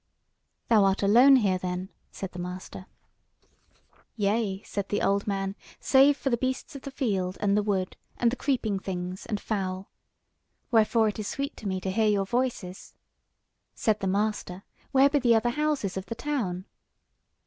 "Thou art alone here then?" said the master. "Yea," said the old man; "save for the beasts of the field and the wood, and the creeping things, and fowl. Wherefore it is sweet to me to hear your voices." Said the master: "Where be the other houses of the town?"